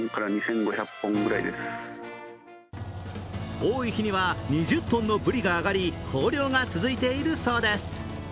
多い日には２０トンのぶりが揚がり豊漁が続いているそうです。